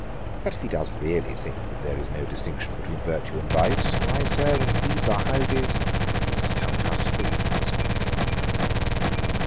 But if he does really think that there is no distinction between virtue and vice, why, Sir, when he leaves our houses let us count our spoons.'